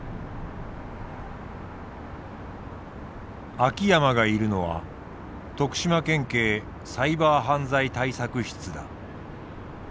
秋山がいるのは徳島県警サイバー犯罪対策室だ。